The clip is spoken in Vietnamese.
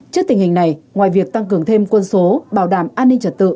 trước tình hình này ngoài việc tăng cường thêm quân số bảo đảm an ninh trật tự